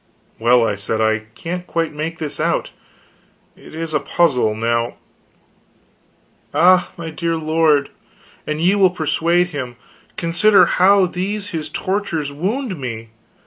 "Well," I said, "I can't quite make this out. It is a puzzle. Now " "Ah, dear my lord, an ye will but persuade him! Consider how these his tortures wound me!